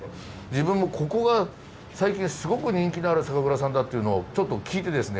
自分もここが最近すごく人気のある酒蔵さんだっていうのをちょっと聞いてですね。